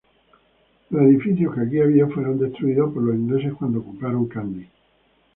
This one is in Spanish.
Los edificios que aquí había fueron destruidos por los ingleses cuando ocuparon Kandy.